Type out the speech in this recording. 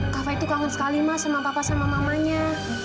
kakak itu kangen sekali mas sama papa sama mamanya